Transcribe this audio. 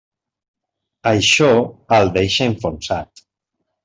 Això el deixa enfonsat.